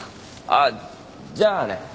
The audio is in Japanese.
あっじゃあね。